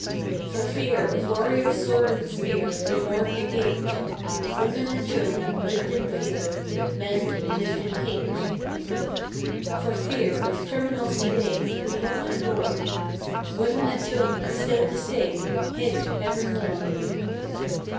For fear of warrior's sword and spear They barred the gate; Women and children lived in fear, Men lived in hate. For fear of criminals today We lock the door; Women and children still to stay Hid evermore.